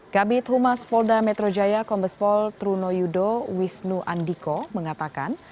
kabit humas polda metro jaya kombespol truno yudo wisnu andiko mengatakan